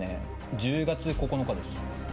１０月９日です。